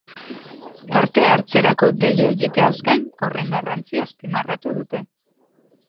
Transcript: Parte-hartzerako deia egiteaz gain, horren garrantzia azpimarratu dute.